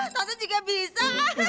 tante juga bisa